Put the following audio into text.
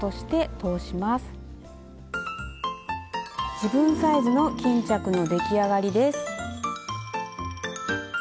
自分サイズの巾着の出来上がりです。